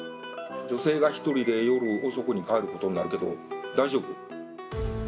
女性が一人で夜遅くに帰ることになるけど大丈夫？